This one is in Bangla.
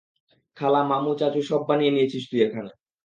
খালা, মামু, চাচু সব বানিয়ে নিয়েছিস তুই এখানে।